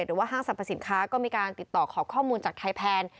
ห้างสรรพสินค้าก็มีการติดต่อขอข้อมูลจากไทยแพน